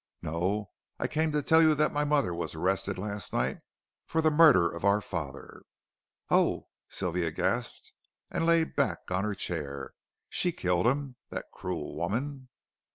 "No. I came to tell you that my mother was arrested last night for the murder of our father." "Oh," Sylvia gasped and lay back on her chair, "she killed him, that cruel woman."